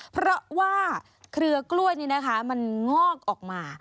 เพราะว่าเครือกล้วยนี่นะคะมันงอกออกมา